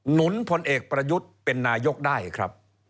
นุนพลเอกประยุทธ์เป็นนายกได้ครับ